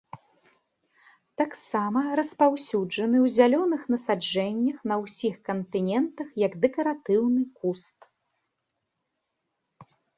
Таксама распаўсюджаны ў зялёных насаджэннях на ўсіх кантынентах як дэкаратыўны куст.